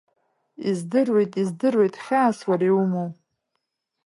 Издыруеит, издыруеит хьаас уара иумоу…